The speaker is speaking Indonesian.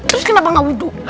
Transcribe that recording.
terus kenapa gak uduh